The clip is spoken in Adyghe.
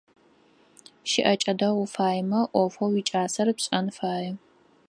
Щыӏэкӏэ дэгъу уфаемэ, ӏофэу уикӏасэр пшэн фае.